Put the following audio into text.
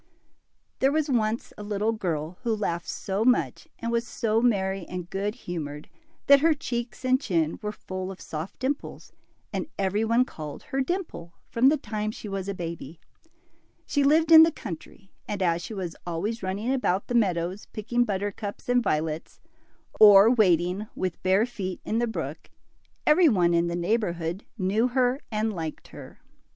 T HEEE was once a little girl who laughed so much and was so merry and good humored, that her cheeks and chin were full of soft dimples, and every one called her Dimple from the time she was a baby. She lived in the country, and as she was always running about the meadows picking buttercups and violets, or wading with bare feet in the brook, every one in the neighborhood knew her and liked her.